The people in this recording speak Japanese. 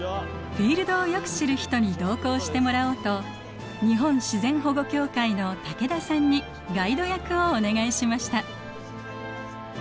フィールドをよく知る人に同行してもらおうと日本自然保護協会の武田さんにガイド役をお願いしました。